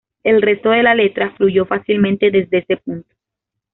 El resto de la letra fluyó fácilmente desde ese punto.